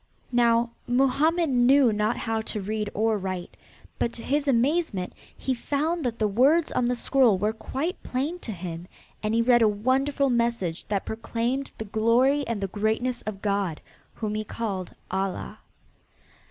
Now Mohammed knew not how to read or write, but to his amazement he found that the words on the scroll were quite plain to him, and he read a wonderful message that proclaimed the glory and the greatness of God, whom he called Allah.